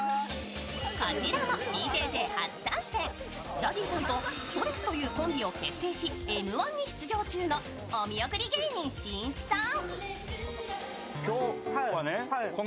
ＺＡＺＹさんとストレスというコンビを結成し「Ｍ−１」に出場中のお見送り芸人しんいちさん。